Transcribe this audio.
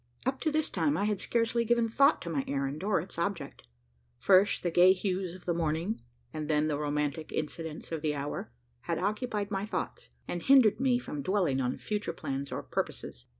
Up to this time, I had scarcely given thought to my errand, or its object. First the gay hues of the morning, and then the romantic incidents of the hour, had occupied my thoughts, and hindered me from dwelling on future plans or purposes.